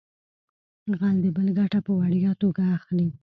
غل د بل ګټه په وړیا توګه اخلي